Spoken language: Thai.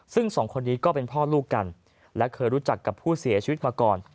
ซึ่งสองคนนี้ก็เป็นพ่อลูกกันและเคยรู้จักกับผู้เสียชีวิตมาก่อน